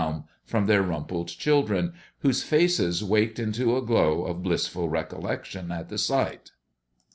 _" from their rumpled children, whose faces waked into a glow of blissful recollection at the sight.